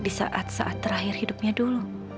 di saat saat terakhir hidupnya dulu